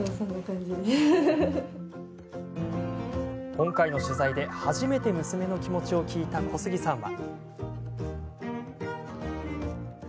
今回の取材で初めて娘の気持ちを聞いた小杉さんは。